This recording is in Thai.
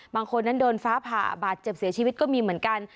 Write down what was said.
บางคนนั้นโดนฟ้าผ่าบาดเจ็บเสียชีวิตก็มีเหมือนกัน